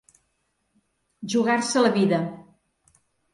Jugar-se la vida.